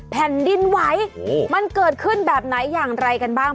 แผ่นดินไหวมันเกิดขึ้นแบบไหนอย่างไรกันบ้าง